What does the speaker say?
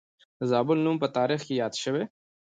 د زابل نوم په تاریخ کې یاد شوی